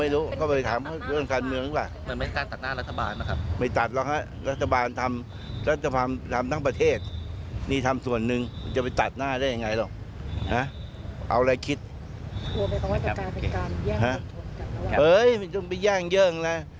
แล้วจะมาเปรียบเทียบกันได้ยังไง